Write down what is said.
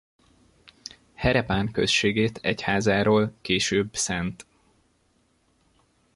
Herepán községét egyházáról később Szt.